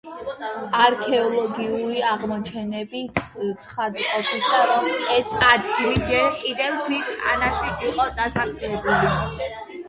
არქეოლოგიური აღმოჩენები ცხადყოფს, რომ ეს ადგილები ჯერ კიდევ ქვის ხანაში იყო დასახლებული.